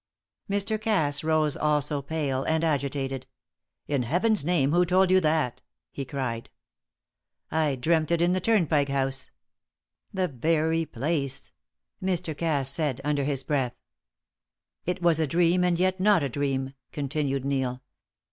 Mr. Cass rose also pale and agitated. "In Heaven's name who told you that?" he cried. "I dreamt it in the Turnpike House " "The very place," Mr. Cass said, under his breath. "It was a dream, and yet not a dream," continued Neil.